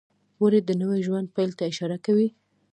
وری د نوي ژوند پیل ته اشاره کوي.